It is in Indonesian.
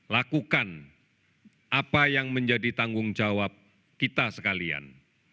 lakukan apa yang menjadi tanggung jawab kita sekalian